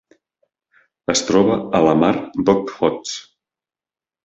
Es troba a la Mar d'Okhotsk.